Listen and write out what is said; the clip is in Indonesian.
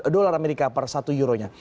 dolar amerika per satu euro nya